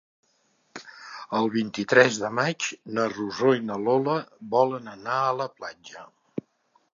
El vint-i-tres de maig na Rosó i na Lola volen anar a la platja.